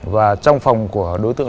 và trong phòng của đối tượng